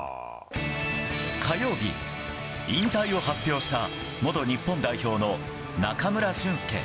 火曜日、引退を発表した元日本代表の中村俊輔